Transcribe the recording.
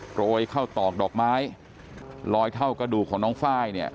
โรยเข้าตอกดอกไม้ลอยเท่ากระดูกของน้องไฟล์เนี่ย